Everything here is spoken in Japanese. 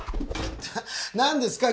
何ですか？